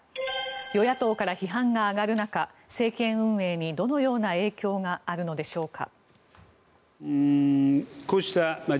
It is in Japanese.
与野党から批判が上がる中政権運営にどのような影響があるのでしょうか。